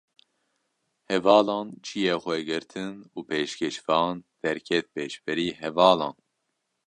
Hevalan ciyê xwe girtin û pêşkêşvan, derket pêşberî hevalan